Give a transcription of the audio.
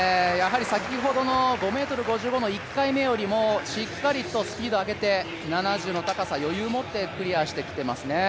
先ほどの５ｍ５５の１回目よりもしっかりとスピードを上げて、７０の高さを余裕を持ってクリアしてきていますね。